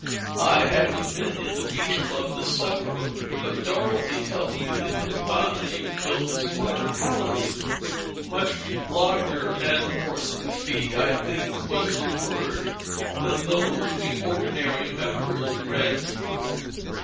"I haven't been to the Beach Club this summer, but Dorothy tells me that the cabana you've built is quite a palace—much larger and more 'spiffy,' I think was the word, than those we ordinary members rent!"